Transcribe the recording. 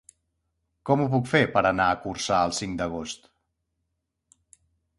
Com ho puc fer per anar a Corçà el cinc d'agost?